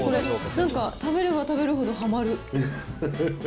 なんか、食べれば食べるほどはまる。